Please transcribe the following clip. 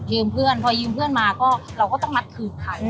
ยืมเพื่อนพอยืมเพื่อนมาก็เราก็ต้องมาถือคัน